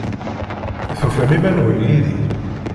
Tufam iman-nwen yid-i?